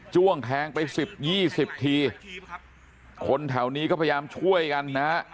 ้วงแทงไปสิบยี่สิบทีคนแถวนี้ก็พยายามช่วยกันนะฮะ